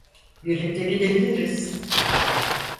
Birlikte gidebiliriz.